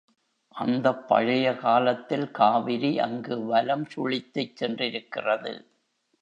அந்தப் பழைய காலத்தில் காவிரி அங்கு வலம் சுழித்துச் சென்றிருக்கிறது.